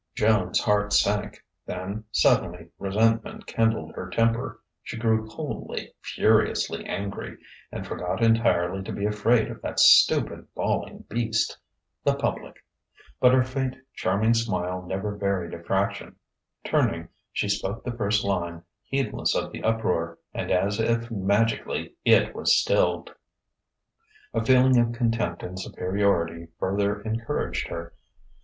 Joan's heart sank; then, suddenly, resentment kindled her temper; she grew coldly, furiously angry, and forgot entirely to be afraid of that stupid, bawling beast, the public. But her faint, charming smile never varied a fraction. Turning, she spoke the first line, heedless of the uproar; and as if magically it was stilled. A feeling of contempt and superiority further encouraged her.